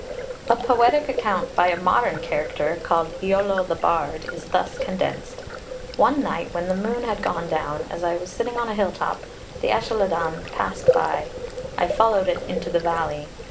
' A poetic account by a modern character, called Iolo the Bard, is thus condensed: 'One night, when the moon had gone down, as I was sitting on a hill top, the Ellylldan passed by. I followed it into the valley.